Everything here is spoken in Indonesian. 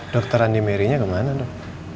dokter andi merrynya kemana dok